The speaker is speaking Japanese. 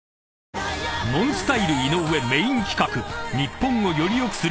［ＮＯＮＳＴＹＬＥ井上メイン企画］